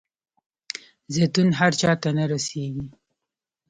زیتون هر چاته نه رسیږي.